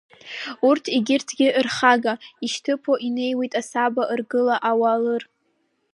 Урҭгьы егьырҭгьы рхага, ишьҭыԥо, инеиуеит асаба ргыла ауалыр.